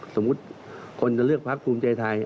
สมมุติคนจะเลือกพักภูมิใจไทย